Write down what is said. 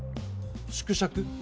縮尺？